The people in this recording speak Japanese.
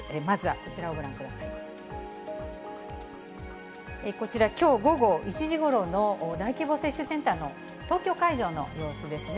こちら、きょう午後１時ごろの大規模接種センターの東京会場の様子ですね。